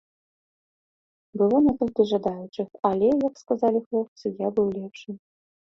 Было некалькі жадаючых, але, як сказалі хлопцы, я быў лепшым.